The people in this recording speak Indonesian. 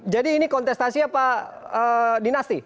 jadi ini kontestasi apa dinasti